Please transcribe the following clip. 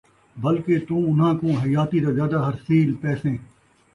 بلکہ تُوں اُنھاں کُوں حیاتی دا زیادہ حرصیل پیسیں،